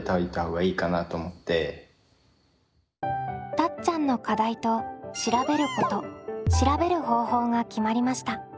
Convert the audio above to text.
たっちゃんの課題と調べること調べる方法が決まりました。